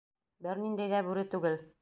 Бер ниндәй ҙә бүре түгел.